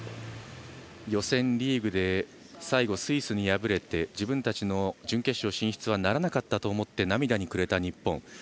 予選リーグで最後、スイスに敗れて自分たちの準決勝進出はならなかったと思って涙に暮れた日本。